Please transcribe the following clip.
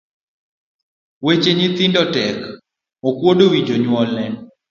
Weche nyithindo tek, okuodo wi jonyuolne.